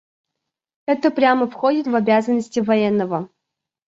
Это прямо входит в обязанности военного.